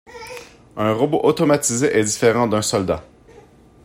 Un robot automatisé est différent d'un soldat.